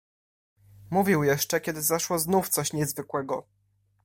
"Mówił jeszcze, kiedy zaszło znów coś niezwykłego."